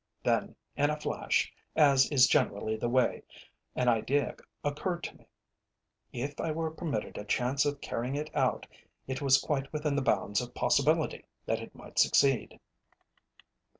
Then, in a flash, as is generally the way, an idea occurred to me. If I were permitted a chance of carrying it out, it was quite within the bounds of possibility that it might succeed.